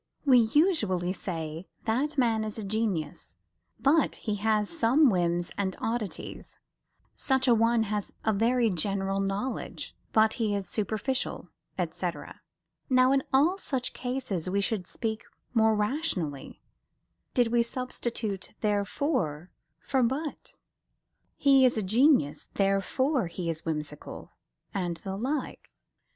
We usually say That man is a genius, but he has some whims and oddities Such a one has a very general knowledge, but he is superficial, etc. Now in all such cases we should speak more rationally, did we substitute "therefore" for "but": "He is a genius, therefore he is whimsical" and the like.